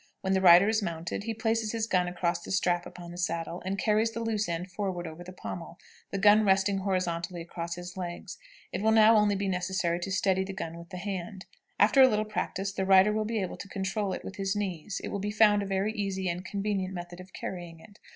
When the rider is mounted, he places his gun across the strap upon the saddle, and carries the loose end forward over the pommel, the gun resting horizontally across his legs. It will now only be necessary occasionally to steady the gun with the hand. After a little practice the rider will be able to control it with his knees, and it will be found a very easy and convenient method of carrying it.